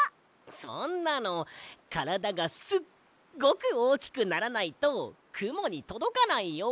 そんなのからだがすっごくおおきくならないとくもにとどかないよ。